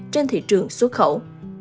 trên thị trường xuất khẩu